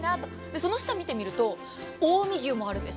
その下を見てみると近江牛もあるんです。